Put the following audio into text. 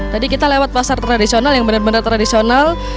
tadi kita lewat pasar tradisional yang benar benar tradisional